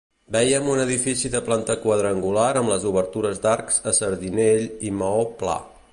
Veiem un edifici de planta quadrangular amb les obertures d'arcs a sardinell i maó pla.